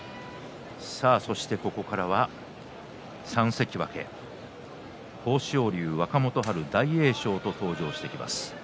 そしてここからは３関脇豊昇龍、若元春、大栄翔と登場してきます。